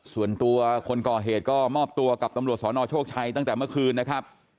ส่วนตัวคนก่อเหตุก็มอบตัวกับตำรวจสนโชคชัยตั้งแต่เมื่อคืนนะครับ